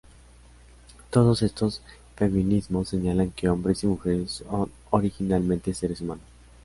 Todos estos feminismos señalan que hombres y mujeres son originariamente seres humanos.